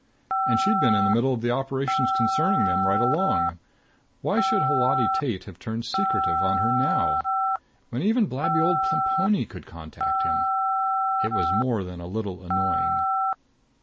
And she'd been in the middle of the operations concerning them right along. Why should Holati Tate have turned secretive on her now? When even blabby old Plemponi could contact him. It was more than a little annoying....